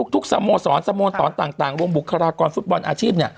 สโมสรสโมสรต่างวงบุคลากรฟุตบอลอาชีพ